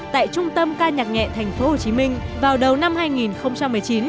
tại trung tâm ca nhạc nhẹ tp hcm vào đầu năm hai nghìn một mươi chín